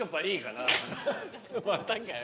またかよ。